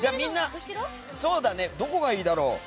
どこがいいだろう。